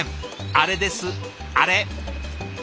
あれですあれ！